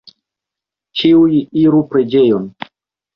Ĉiuj iru preĝejon!